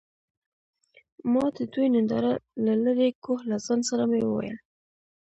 ما د دوي ننداره له لرې کوه له ځان سره مې وويل.